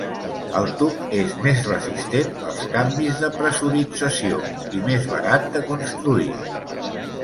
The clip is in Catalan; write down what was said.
El tub és més resistent als canvis de pressurització i més barat de construir.